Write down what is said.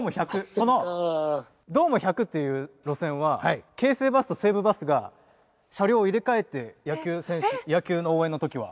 この「ドーム１００」っていう路線は京成バスと西武バスが車両を入れ替えて野球の応援の時は。